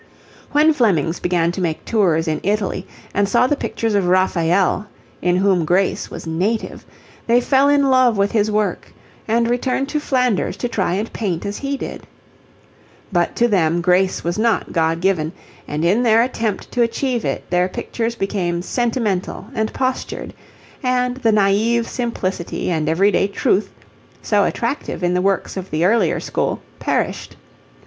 When Flemings began to make tours in Italy and saw the pictures of Raphael, in whom grace was native, they fell in love with his work and returned to Flanders to try and paint as he did. But to them grace was not God given, and in their attempt to achieve it, their pictures became sentimental and postured, and the naive simplicity and everyday truth, so attractive in the works of the earlier school, perished.